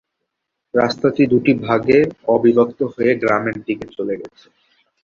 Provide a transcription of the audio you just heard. রাস্তাটি দুটি ভাগে অবিভক্ত হয়ে গ্রামের দিকে চলে গেছে।